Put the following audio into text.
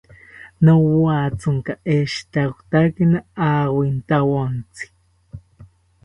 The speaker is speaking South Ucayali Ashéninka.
Nowatzinka eshitakotakina awintawontzi